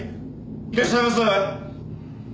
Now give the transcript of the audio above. いらっしゃいます？